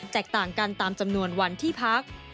ต่างกันตามจำนวนวันที่พัก